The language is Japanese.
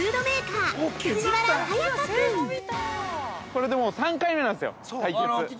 ◆これでもう３回目なんですよ、対決。